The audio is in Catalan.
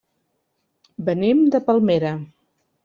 Venim de Palmera.